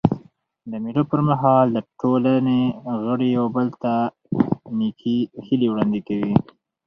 د مېلو پر مهال د ټولني غړي یو بل ته نېکي هیلي وړاندي کوي.